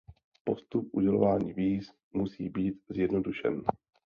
Postup udělování víz musí být zjednodušen.